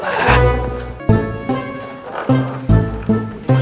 bukan ya bukan ya bukan